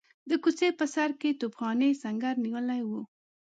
د کوڅې په سر کې توپخانې سنګر نیولی وو.